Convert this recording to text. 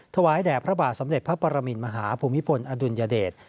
ถวายแด่พระบาทสมเด็จพระปรมินมหาภูมิพลอดุลยเดช